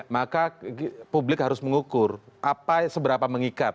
maka publik harus mengukur apa seberapa mengikat